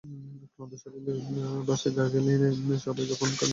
ক্লান্ত শরীরে বাসে গা-এলিয়ে দিয়ে সবাই যখন ডিজনি কার্টুন সিনেমা দেখায় মগ্ন।